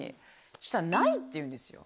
そしたらないって言うんですよ。